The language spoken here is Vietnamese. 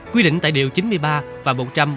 quy định tại điều chín mươi ba và một trăm ba mươi ba